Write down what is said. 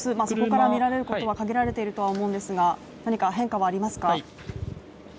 そこから見られることは限られているとは思うんですが、何か変化はありますか。